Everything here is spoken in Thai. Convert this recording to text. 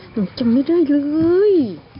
หนูจำไม่ได้เลย